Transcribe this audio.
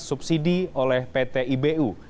subsidi oleh pt ibu